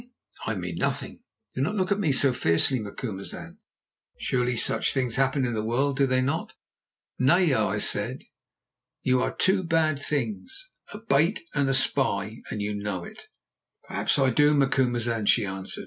I mean nothing; do not look at me so fiercely, Macumazahn. Surely such things happen in the world, do they not?" "Naya," I said, "you are two bad things—a bait and a spy—and you know it." "Perhaps I do, Macumazahn," she answered.